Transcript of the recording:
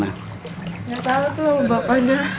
yang tahu tuh bapaknya